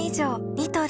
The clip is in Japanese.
ニトリ